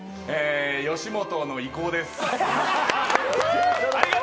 吉本の意向です。